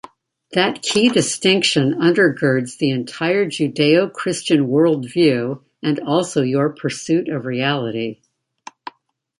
That key distinction under-girds the entire Judeo-Christian worldview, and also your pursuit of reality.